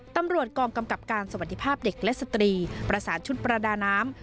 ตำรวจกองกำกับการสวัสดีภาพเด็กและสตรีประสานชุดประดาน้ำ